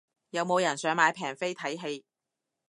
有冇人想買平飛睇戲